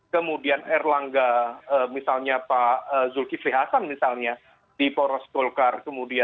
kemudian erlangga misalnya pak zulkifli hasan misalnya di poros golkar